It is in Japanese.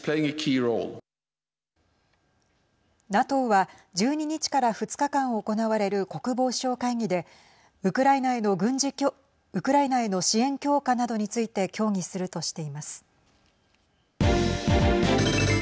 ＮＡＴＯは１２日から２日間行われる国防相会議でウクライナへの支援強化などについて協議するとしています。